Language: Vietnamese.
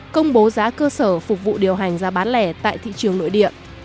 công bố giá cơ sở phục vụ điều hành giá bán lẻ tại thị trường nội địa